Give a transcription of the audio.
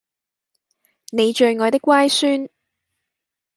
你最愛的乖孫